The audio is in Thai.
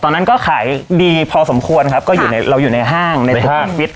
ตอนนั้นก็ขายดีพอสมควรครับก็อยู่ในเราอยู่ในห้างในห้างฟิต